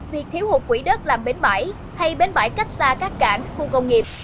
việc thiếu hụt quỹ đất làm bến bãi hay bến bãi cách xa các cảng khu công nghiệp